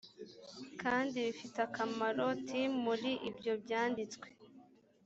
kandi bifite akamaro tim muri ibyo byanditswe